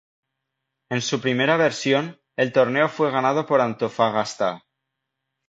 En su primera versión, el torneo fue ganado por Antofagasta.